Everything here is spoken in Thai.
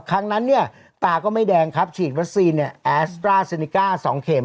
ครั้งนั้นเนี่ยตาก็ไม่แดงครับฉีดวัคซีนแอสตราเซนิก้า๒เข็ม